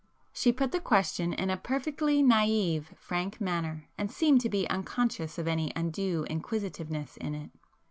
She put the question in a perfectly naïve frank manner and seemed to be unconscious of any undue inquisitiveness in it.